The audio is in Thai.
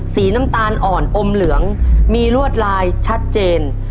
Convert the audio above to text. สีน้ำตาลอ่อนอมเหลืองมีลวดลายชัดเจน